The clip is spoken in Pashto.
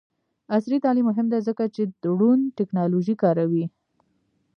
عصري تعلیم مهم دی ځکه چې د ډرون ټیکنالوژي کاروي.